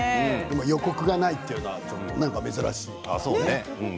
予告がないというのはなんか珍しいですね